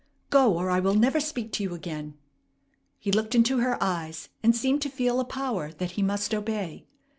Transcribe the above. Go! or I will never speak to you again." He looked into her eyes, and seemed to feel a power that he must obey.